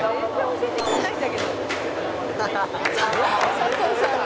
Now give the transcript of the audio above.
「佐藤さんも」